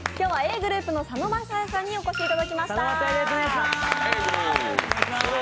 Ｇｒｏｕｐの佐野晶哉さんにお越しいただきました。